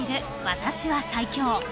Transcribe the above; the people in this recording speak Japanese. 『私は最強』］